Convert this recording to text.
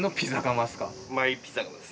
マイピザ窯です。